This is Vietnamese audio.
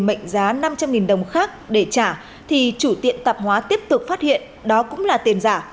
mệnh giá năm trăm linh đồng khác để trả thì chủ tiệm tạp hóa tiếp tục phát hiện đó cũng là tiền giả